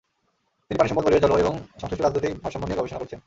তিনি পানিসম্পদ, পরিবেশ, জলবায়ু এবং সংশ্লিষ্ট রাজনৈতিক ভারসাম্য নিয়ে গবেষণা করছেন।